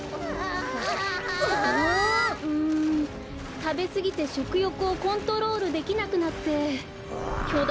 たべすぎてしょくよくをコントロールできなくなってきょだ